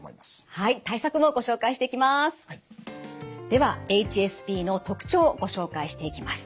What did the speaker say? ではＨＳＰの特徴ご紹介していきます。